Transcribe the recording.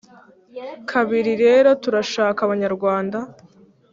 kabiri rero turashaka Abanyarwanda